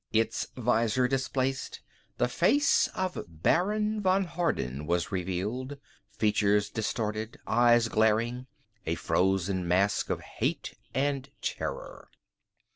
Its visor displaced, the face of Baron von Harden was revealed, features distorted, eyes glaring, a frozen mask of hate and terror.